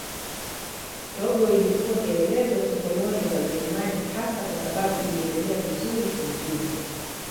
Togo ilikuwa kielelezo cha koloni za Ujerumani hasa kwa sababu iliendelea vizuri kiuchumi.